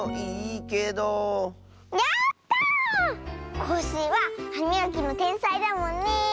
コッシーははみがきのてんさいだもんねえ。